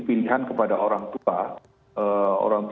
pilihan kepada orang tua